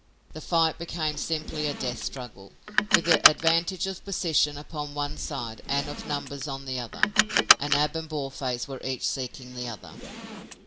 The fight became simply a death struggle, with the advantage of position upon one side and of numbers on the other. And Ab and Boarface were each seeking the other.